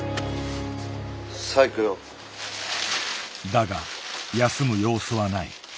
だが休む様子はない。